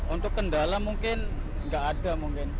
untuk kendala mungkin tidak ada